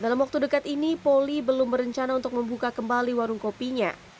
dalam waktu dekat ini poli belum berencana untuk membuka kembali warung kopinya